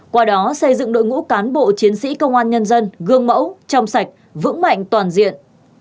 qua đó xây dựng đội ngũ cán bộ chiến sĩ công an nhân dân gương mẫu trong sạch vững mạnh toàn diện